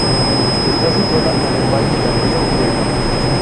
Está situada en el valle del río Iregua.